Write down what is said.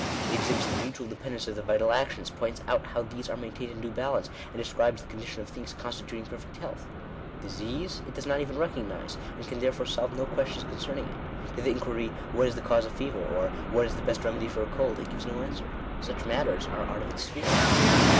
It exhibits the mutual dependence of the vital actions ; points out how these are maintained in due balance, and describes the condition of things constituting perfect health. Disease it does not even recognise, and can therefore solve no questions concerning it. To the inquiry — What is the cause of fever ? or, what is the best remedy for a cold ? it gives no answer. Such matters are out of its sphere.